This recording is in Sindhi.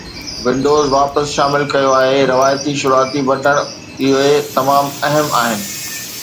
ونڊوز واپس شامل ڪيو آهي روايتي شروعاتي بٽڻ اهي تمام اهم آهن